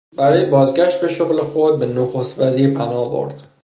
برای بازگشت به شغل خود به نخست وزیر پناه برد.